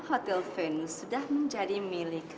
hotel vince sudah menjadi milik